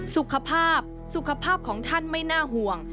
สุขภาพสุขภาพของท่านไม่น่าห่วง